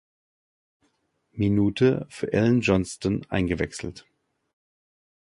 Minute für Allan Johnston eingewechselt.